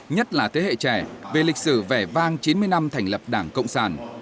nhất là thế hệ trẻ về lịch sử vẻ vang chín mươi năm thành lập đảng cộng sản